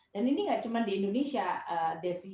dan ini tidak hanya di indonesia desi